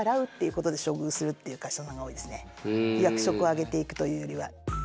そういう人は役職を上げていくというよりは。